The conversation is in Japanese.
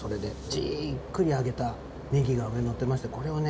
じっくり揚げたネギが上にのってましてこれをね